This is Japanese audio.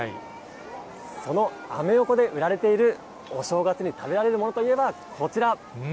そのアメ横で売られているお正月に食べられるものといえばこちら。